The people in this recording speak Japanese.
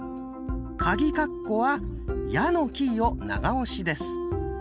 カギカッコは「や」のキーを長押しです。